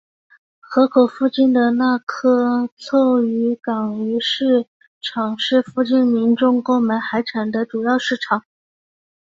河口附近的那珂凑渔港鱼市场是附近民众购买海产的主要市场。